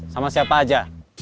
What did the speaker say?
sama siapa aja